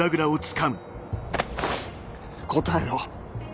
答えろ。